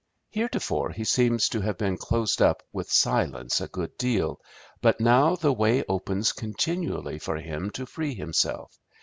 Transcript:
Heretofore he seems to have been closed up with silence a good deal, but now the way opens continually for him to free himself.